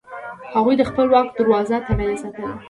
هغوی د خپل واک دروازه تړلې ساتله.